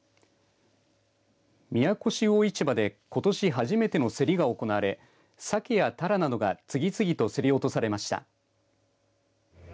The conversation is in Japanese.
宮古市魚市場でことし初めての競りが行われサケやタラなどが次々と競り落とされました。